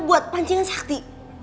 buat pancingan sakti